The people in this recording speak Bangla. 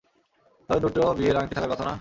তবে দুটো বিয়ের আংটি থাকার কথা না?